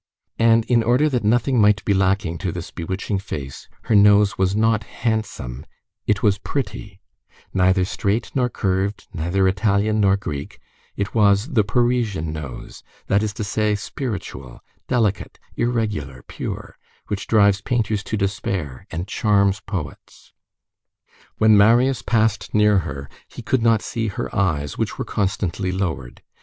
And, in order that nothing might be lacking to this bewitching face, her nose was not handsome—it was pretty; neither straight nor curved, neither Italian nor Greek; it was the Parisian nose, that is to say, spiritual, delicate, irregular, pure,—which drives painters to despair, and charms poets. When Marius passed near her, he could not see her eyes, which were constantly lowered.